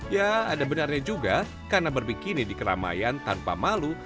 ya ada benarnya juga karena berbikini di keramaian tanpa malu